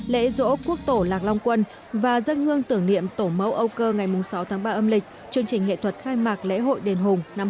lễ dỗ quốc tổ lạc long quân và dâng hương tưởng niệm tổ mẫu âu cơ ngày mùng sáu tháng ba âm lịch chương trình nghệ thuật khai mạc lễ hội đền hùng năm hai nghìn hai mươi